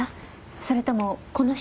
それともこの人？